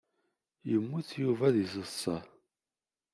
Yemmut Yuba deg taḍsa.